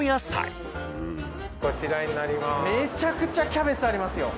こちらになります。